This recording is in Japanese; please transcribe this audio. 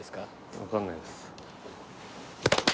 分かんないです。